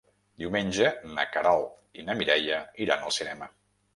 Diumenge na Queralt i na Mireia iran al cinema.